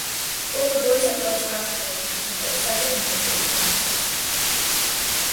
Both the boys' and girls' basketball teams have placed second in the state championship.